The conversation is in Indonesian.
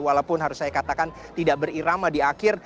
walaupun harus saya katakan tidak berirama di akhir